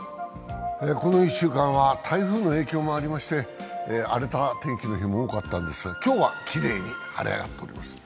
この１週間は台風の影響もあり、荒れた天気の日も多かったんですが今日はきれいに晴れ上がっております。